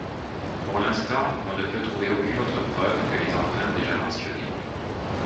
Pour l'instant on ne peut trouver aucune autre preuve que les empreintes déjà mentionnées.